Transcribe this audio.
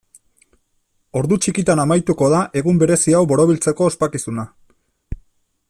Ordu txikitan amaituko da egun berezi hau borobiltzeko ospakizuna.